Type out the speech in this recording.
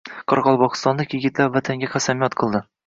Qoraqalpog‘istonlik yigitlar Vatanga qasamyod qildi